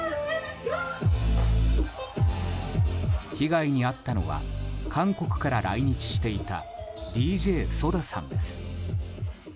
被害に遭ったのは韓国から来日していたＤＪＳＯＤＡさんです。